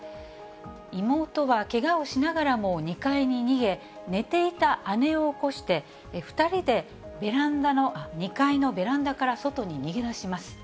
妹はけがをしながらも２階に逃げ、寝ていた姉を起こして、２人で２階のベランダから外に逃げ出します。